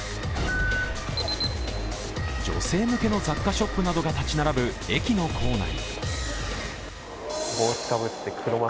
女性向けの雑貨ショップなどが立ち並ぶ駅の構内。